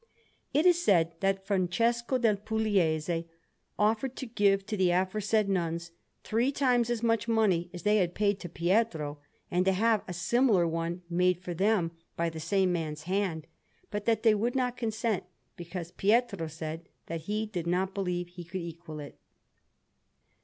It is said that Francesco del Pugliese offered to give to the aforesaid nuns three times as much money as they had paid to Pietro, and to have a similar one made for them by the same man's hand, but that they would not consent, because Pietro said that he did not believe he could equal it.